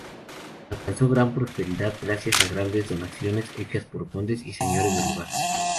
Alcanzó gran prosperidad gracias a grandes donaciones hechas por condes y señores del lugar.